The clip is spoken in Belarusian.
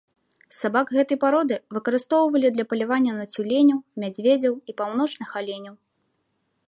Сабак гэтай пароды выкарыстоўвалі для палявання на цюленяў, мядзведзяў і паўночных аленяў.